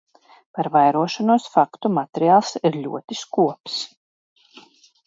Par vairošanos faktu materiāls ir ļoti skops.